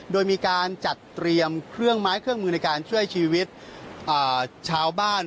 โดยมีการจัดเตรียมเครื่องไม้เครื่องมือในการช่วยชีวิตชาวบ้าน